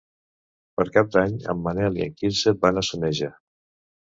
Per Cap d'Any en Manel i en Quirze van a Soneja.